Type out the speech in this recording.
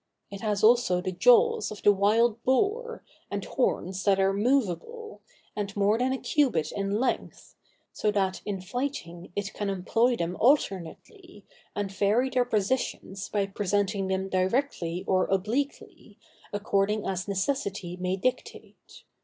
It has also the jaws of the wild boar, and horns that are movable, and more than a cubit in length, so that, in fighting, it can employ them alternately, and vary their position by presenting them directly or obliquely, according as necessity may dictate.